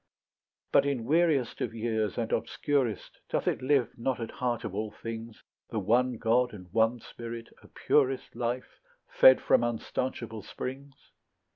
But in weariest of years and obscurest Doth it live not at heart of all things, The one God and one spirit, a purest Life, fed from unstanchable springs?